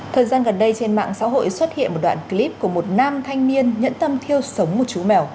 thời gian gần đây trên mạng xã hội xuất hiện một đoạn clip của một nam thanh niên nhẫn tâm thiêu sống một chú mèo